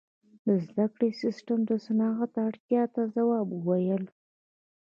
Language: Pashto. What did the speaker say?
• د زدهکړې سیستم د صنعت اړتیاو ته ځواب وویل.